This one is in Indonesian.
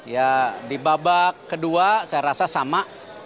ya di babak kedua saya rasa sama